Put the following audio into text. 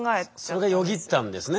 それがよぎったんですね。